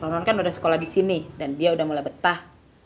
non kan udah sekolah di sini dan dia udah mulai betah